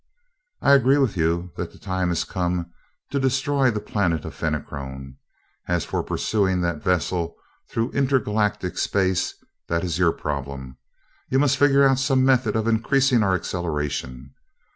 "I agree with you that the time has come to destroy the planet of Fenachrone. As for pursuing that vessel through intergalactic space, that is your problem. You must figure out some method of increasing our acceleration.